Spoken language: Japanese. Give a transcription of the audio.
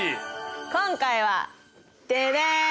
今回はデデン！